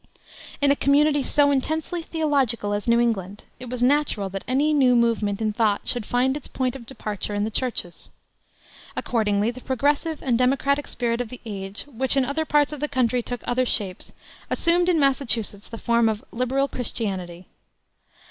In a community so intensely theological as New England it was natural that any new movement in thought should find its point of departure in the churches. Accordingly, the progressive and democratic spirit of the age, which in other parts of the country took other shapes, assumed in Massachusetts the form of "liberal Christianity."